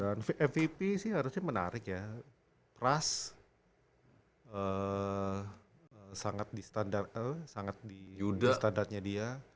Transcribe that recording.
mvp sih harusnya menarik ya pras sangat di standar e sangat di standarnya dia